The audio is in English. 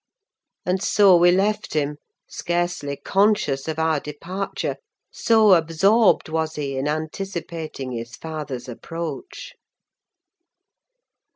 And so we left him, scarcely conscious of our departure, so absorbed was he in anticipating his father's approach.